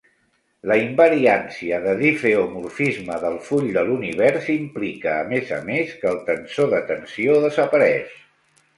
La invariància de difeomorfisme del full de l'univers implica, a més a més, que el tensor de tensió desapareix.